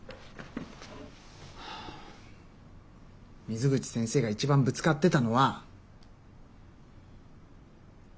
水口先生が一番ぶつかってたのは。